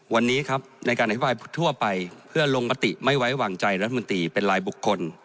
วันนี้ครับในการอภิปรายทั่วไปเพื่อลงมติไม่ไว้วางใจรัฐมนตรีเป็นรายบุคคล